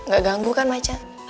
ga ganggu kan ma can